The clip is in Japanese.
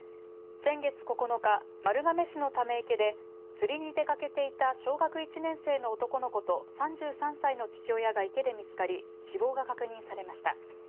先月９日、丸亀市のため池で釣りに出かけていた小学１年生の男の子と３３歳の父親が池で見つかり死亡が確認されました。